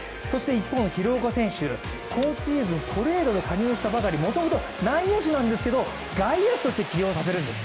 一方の廣岡選手、今シーズン、トレードで加入したばかり、もともと内野手なんですけれども外野手として起用させるんです。